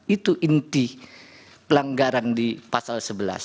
itu inti pelanggaran di pasal sebelas